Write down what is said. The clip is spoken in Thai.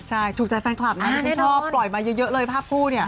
ใช่ถูกใจแฟนคลับนะที่ฉันชอบปล่อยมาเยอะเลยภาพคู่เนี่ย